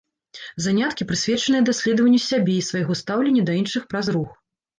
Заняткі прысвечаныя даследаванню сябе і свайго стаўлення да іншых праз рух.